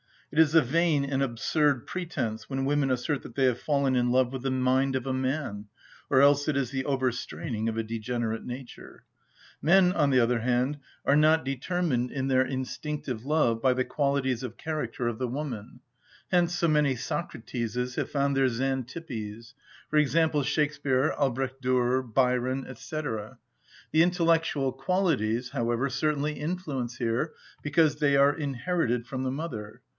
It is a vain and absurd pretence when women assert that they have fallen in love with the mind of a man, or else it is the over‐straining of a degenerate nature. Men, on the other hand, are not determined in their instinctive love by the qualities of character of the woman; hence so many Socrateses have found their Xantippes; for example, Shakspeare, Albrecht Dürer, Byron, &c. The intellectual qualities, however, certainly influence here, because they are inherited from the mother.